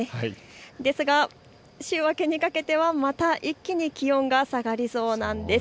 ですが週明けにかけてはまた一気に気温が下がりそうなんです。